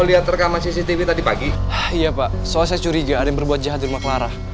iya pak soalnya saya curiga ada yang berbuat jahat di rumah clara